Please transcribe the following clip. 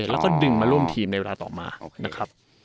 แล้วก็ดึงมาร่วมทีมในเวลาต่อมานะครับ